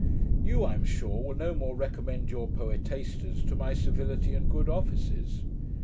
You, I am sure, will no more recommend your poetasters to my civility and good offices.